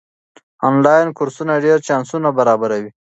آنلاین کورسونه ډېر چانسونه برابروي.